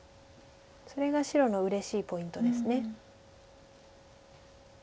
それが白のうれしいポイントです。